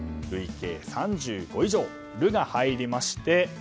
累計３５以上の「ル」が入りまして。